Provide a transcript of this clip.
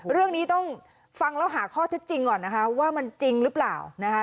เรื่องนี้ต้องฟังแล้วหาข้อเท็จจริงก่อนนะคะว่ามันจริงหรือเปล่านะคะ